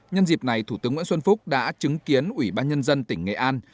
nhân dịp này thủ tướng nguyễn xuân phúc đã chứng kiến ủy ban nhân dân tỉnh nghệ an